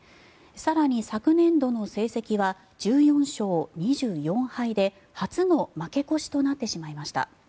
更に昨年度の成績は１４勝２４敗で初の負け越しとなってしまいました。